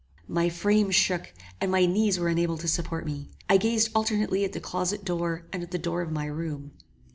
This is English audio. My frame shook, and my knees were unable to support me. I gazed alternately at the closet door and at the door of my room.